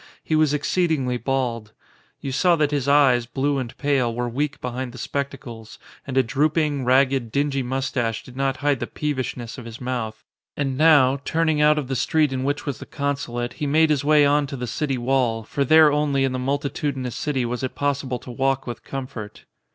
He was exceedingly bald. You saw that his eyes, blue and pale, were weak behind the spectacles, and a droop ing, ragged, dingy moustache did not hide the peevishness of" his mouth. And now, turning out of the street in which was the consulate, he made his way on to the city wall, for there only in the multitudinous city was it possible to walk with comfort.